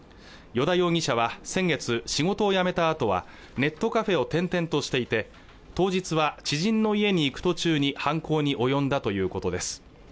依田容疑者は先月仕事を辞めたあとはネットカフェを転々としていて当日は知人の家に行く途中に犯行に及んだということです